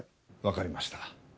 わかりました。